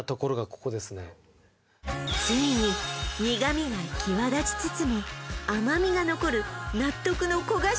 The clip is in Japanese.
ついに苦味が際立ちつつも甘味が残る納得の焦がし